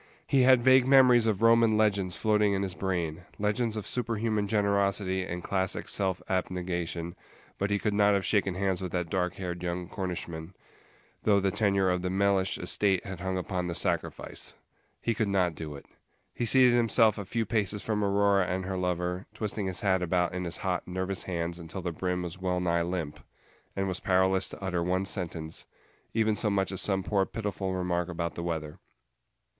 He had vague memories of Roman legends floating in his brain, legends of superhuman generosity and classic self abnegation, but he could not have shaken hands with that dark haired young Cornishman, though the tenure of the Mellish estate had hung upon the sacrifice. He could not do it. He seated himself a few paces from Aurora and her lover, twisting his hat about in his hot, nervous hands until the brim was wellnigh limp, and was powerless to utter one sentence, even so much as some poor pitiful remark about the weather.